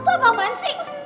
itu apaan sih